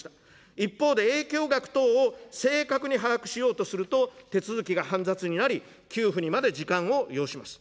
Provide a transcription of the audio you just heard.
一方で影響額等を正確に把握しようとすると、手続きが煩雑になり、給付にまで時間を要します。